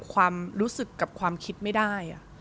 ความรู้สึกกับความคิดไม่ได้